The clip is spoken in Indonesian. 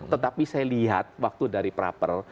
tetapi saya lihat waktu dari proper